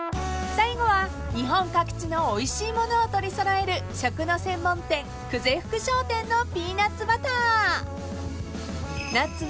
［最後は日本各地のおいしい物を取り揃える食の専門店久世福商店のピーナッツバター］